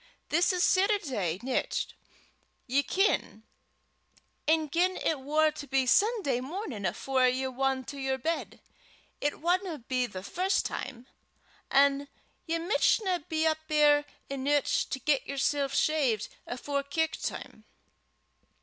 This is Setterday nicht, ye ken; an' gien it war to be Sunday mornin' afore ye wan to yer bed, it wadna be the first time, an' ye michtna be up ear' eneuch to get yersel shaved afore kirk time."